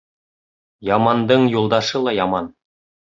Ямандың юлдашы ла яман.